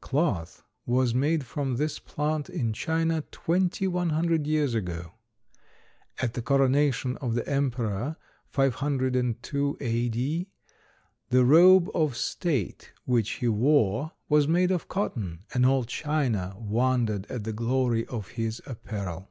Cloth was made from this plant in China twenty one hundred years ago. At the coronation of the emperor, 502 A.D., the robe of state which he wore was made of cotton, and all China wondered at the glory of his apparel.